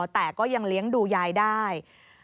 แต่ก็ยังเลี้ยงดูยายได้